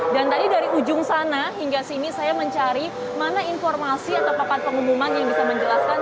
dan tadi dari ujung sana hingga sini saya mencari mana informasi atau papan pengumuman yang bisa menjelaskan